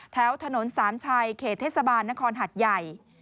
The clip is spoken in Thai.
แถวถนนสามชัยเขตเทศบาลนครหัดใหญ่